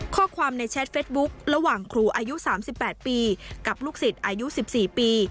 ข้อความในแชทเฟสบุ๊คระหว่างครูอายุ๓๘ปีกับลูกศิษย์อายุ๑๔ปี